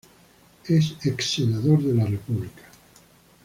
Es Ex Senador de la República.